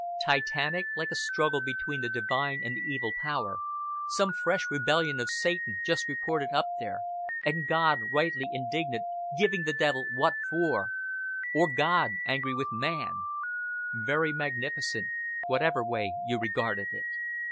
Titanic like a struggle between the divine and the evil power some fresh rebellion of Satan just reported up there, and God, rightly indignant, giving the devil what for or God angry with man! Very magnificent, whatever way you regarded it.